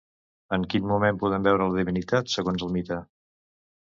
En quin moment podem veure la divinitat, segons el mite?